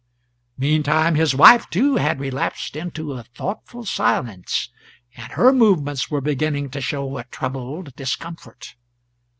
Meantime his wife too had relapsed into a thoughtful silence, and her movements were beginning to show a troubled discomfort.